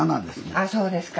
あそうですか。